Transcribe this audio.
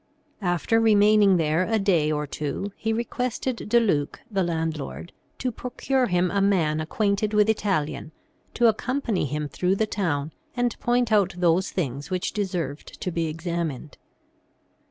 After remaining there a day or two, he requested De Luc, the landlord, to procure him a man acquainted with Italian, to accompany him through the town and point out those things which deserved to be examined.